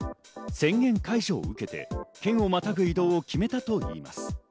宣言解除を受けて県をまたぐ移動を決めたといいます。